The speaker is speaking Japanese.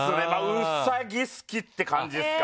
ウサギ好きって感じですか。